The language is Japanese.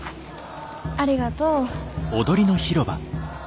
ありがとう。